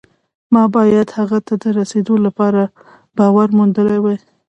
ما باید هغه ته د رسېدو لپاره باور موندلی وي